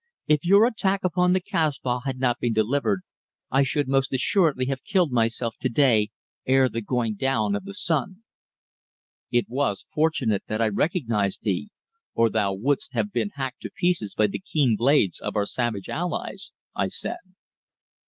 "If your attack upon the Kasbah had not been delivered I should most assuredly have killed myself to day ere the going down of the sun." "It was fortunate that I recognized thee, or thou wouldst have been hacked to pieces by the keen blades of our savage allies," I said.